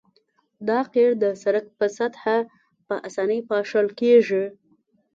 دا قیر د سرک په سطحه په اسانۍ پاشل کیږي